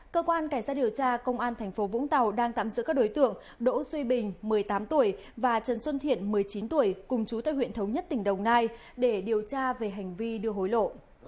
cơ quan cảnh sát điều tra công an tp vũng tàu đang tạm giữ các đối tượng đỗ duy bình một mươi tám tuổi và trần xuân thiện một mươi chín tuổi cùng chú tại huyện thống nhất tỉnh đồng nai để điều tra về hành vi đưa hối lộ